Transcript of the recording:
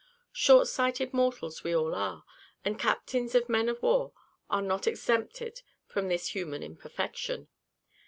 Short sighted mortals we all are, and captains of men of war are not exempted from this human imperfection!